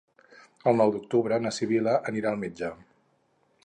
El nou d'octubre na Sibil·la anirà al metge.